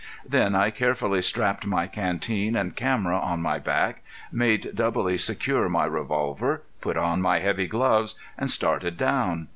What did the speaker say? Then I carefully strapped my canteen and camera on my back, made doubly secure my revolver, put on my heavy gloves, and started down.